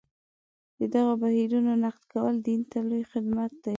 د دغو بهیرونو نقد کول دین ته لوی خدمت دی.